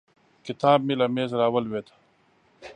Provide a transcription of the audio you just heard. کتاب مې له مېز راولوېد.